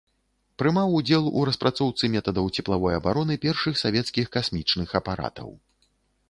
Прымаў удзел у распрацоўцы метадаў цеплавой абароны першых савецкіх касмічных апаратаў.